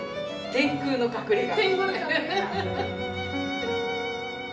天空の隠れが。